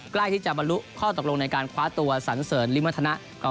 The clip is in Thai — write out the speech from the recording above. ใกล้ที่จะบรรลุข้อตกลงในการคว้าตัวสันเสริญริมวัฒนะ